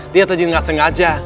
dia tadi gak sengaja